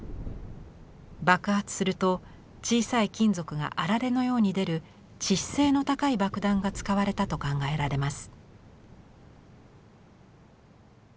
爆発すると小さい金属があられのように出る致死性の高い爆弾が使われたと考えられます。